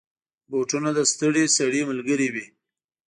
بوټونه د ستړي سړي ملګری وي.